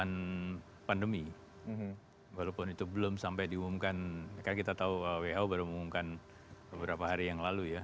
karena pandemi walaupun itu belum sampai diumumkan karena kita tahu who baru mengumumkan beberapa hari yang lalu ya